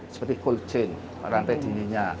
seperti cold chain rantai dinginnya